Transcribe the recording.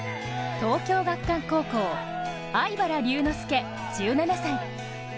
東京学館高校粟飯原龍之介、１７歳。